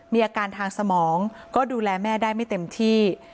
มีอาการทางสมองก็ดูแลแม่ได้ไม่เต็มที่